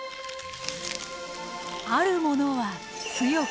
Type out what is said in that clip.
あるものは強く。